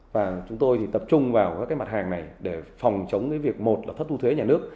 và chúng tôi thì tập trung vào các cái mặt hàng này để phòng chống cái việc một là thất thu thuế nhà nước